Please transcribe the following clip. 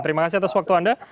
terima kasih atas waktu anda